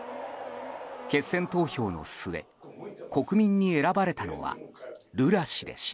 決選投票の末国民に選ばれたのはルラ氏でした。